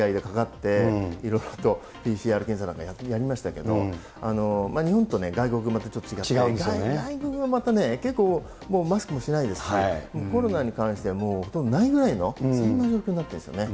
私も実は６月、海外でかかって、いろいろとＰＣＲ検査なんかやりましたけど、日本と外国の手続き、ちょっと違って、外国はまたね、結構、マスクもしてないですし、コロナに関してはもうほとんどないぐらいのそんな状況になってるんですよね。